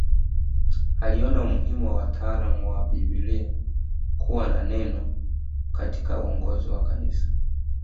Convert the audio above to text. Aliona umuhimu wa wataalamu wa Biblia kuwa na neno katika uongozi wa kanisa